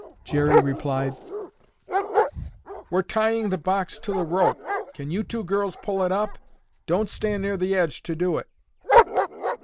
Jerry replied, "We're tying the box to the rope. Can you two girls pull it up? Don't stand near the edge to do it."